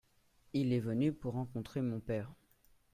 Il est venu pour rencontrer mon père.